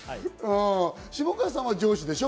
下川さんは上司でしょ？